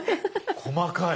細かい。